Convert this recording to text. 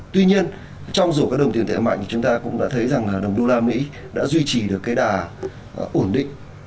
tuy nhiên trong rổ các đồng tiền tệ mạnh chúng ta cũng đã thấy rằng là đồng đô la mỹ đã duy trì được cái đà ổn định